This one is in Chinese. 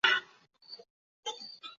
为各地办理相关案件提供参照